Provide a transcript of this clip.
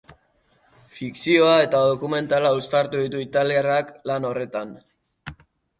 Fikzioa eta dokumentala uztartu ditu italiarrak lan horretan.